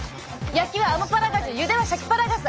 焼きはアマパラガジュゆではシャキパラガス